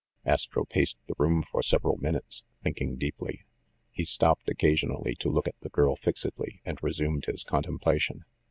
Astro paced the room for several minutes, thinking deeply. He stopped occasionally to look at the girl fixedly, and resumed his contemplation.